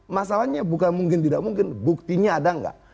masalahnya bukan mungkin tidak mungkin buktinya ada nggak